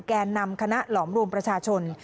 แก่นำคณะหลอมรวมประชาชน